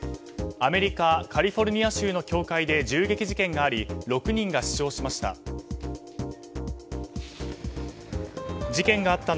アメリカ・カリフォルニア州の教会で銃撃事件があり６人が死傷しました。